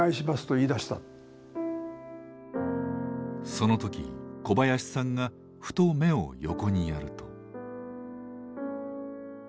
その時小林さんがふと目を横にやると。